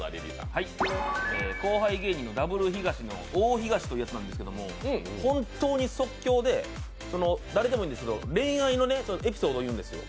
後輩芸人のダブルヒガシの大東というやつなんですけど本当に即興で、誰でもいいんですけど、恋愛のエピソード言うんですよ。